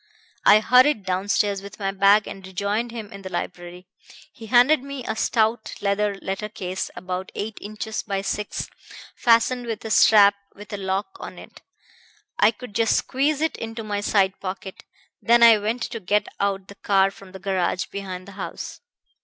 I hurried downstairs with my bag and rejoined him in the library. He handed me a stout leather letter case, about eight inches by six, fastened with a strap with a lock on it. I could just squeeze it into my side pocket. Then I went to get out the car from the garage behind the house.